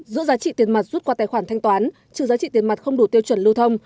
giữa giá trị tiền mặt rút qua tài khoản thanh toán trừ giá trị tiền mặt không đủ tiêu chuẩn lưu thông